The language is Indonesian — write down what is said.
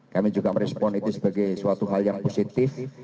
kami juga merespon itu sebagai suatu hal yang positif